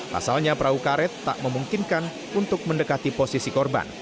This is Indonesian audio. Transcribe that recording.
pasalnya perahu karet tak memungkinkan untuk mendekati posisi korban